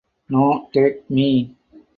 Noh Tek Mi!